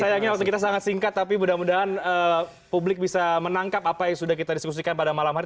sayangnya waktu kita sangat singkat tapi mudah mudahan publik bisa menangkap apa yang sudah kita diskusikan pada malam hari